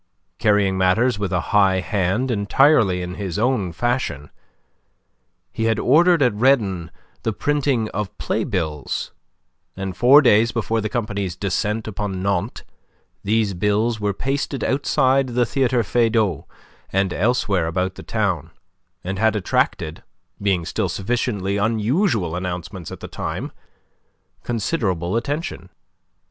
Carrying matters with a high hand entirely in his own fashion, he had ordered at Redon the printing of playbills, and four days before the company's descent upon Nantes, these bills were pasted outside the Theatre Feydau and elsewhere about the town, and had attracted being still sufficiently unusual announcements at the time considerable attention.